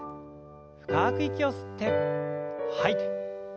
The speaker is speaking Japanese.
深く息を吸って吐いて。